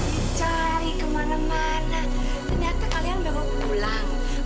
dicari kemana mana ternyata kalian memang pulang